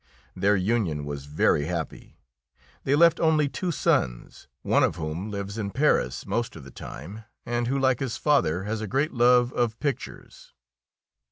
Their union was very happy. They left only two sons, one of whom lives in Paris most of the time, and who, like his father, has a great love for pictures.